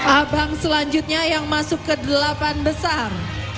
abang selanjutnya yang masuk ke delapan besar